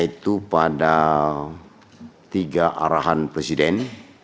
yaitu pada tiga arahan presiden